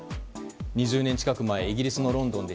２０年近く前イギリス・ロンドンで